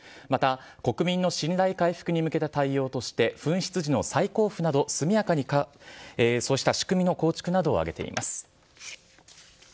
また、国民の信頼回復に向けた対応として紛失時の再交付など、速やかに、そうした仕組みの構築などを挙げています。